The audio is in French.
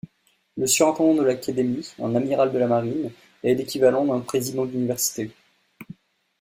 Le surintendant de l'Académie, un amiral de la Marine, est l'équivalent d'un président d'université.